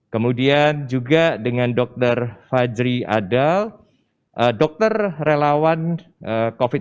kemudian juga dengan dr fajri adal dokter relawan covid sembilan belas